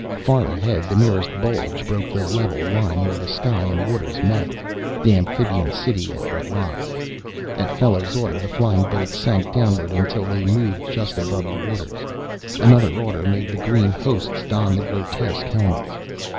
Far ahead the merest bulge broke the level line where sky and waters met. The amphibian city of the Ralas! At Fellows' order the flying boats sank downward until they moved just above the waters. Another order made the green hosts don the grotesque helmets.